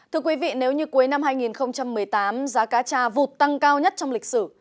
thưa quý vị nếu như cuối năm hai nghìn một mươi tám giá cá tra vụt tăng cao nhất trong lịch sử